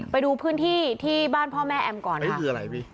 ไปดูพื้นที่ที่บ้านพ่อแม่แอมป์ก่อนค่ะ